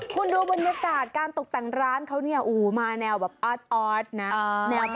คุณดูบรรยากาศการตกต่างร้านเค้านี่อูหูมาแนวอัศไฟนะ